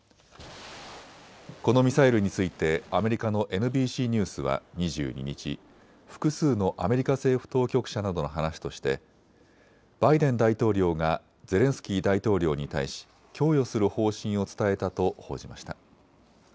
このミサイルについてアメリカのＮＢＣニュースは２２日、複数のアメリカ政府当局者などの話としてバイデン大統領がゼレンスキー大統領に対し供与する方針を伝えたと報じました。